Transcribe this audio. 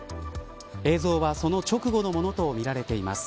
映像はその直後のものとみられています。